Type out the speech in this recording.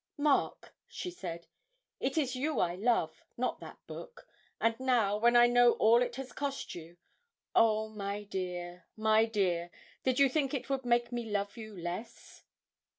'Mark,' she said, 'it is you I love, not that book; and now, when I know all it has cost you oh, my dear, my dear did you think it would make me love you less?'